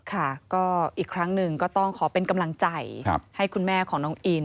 ค่ะก็อีกครั้งหนึ่งก็ต้องขอเป็นกำลังใจให้คุณแม่ของน้องอิน